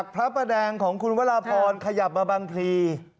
พระแดงของคุณวารพรขยับมาบังพี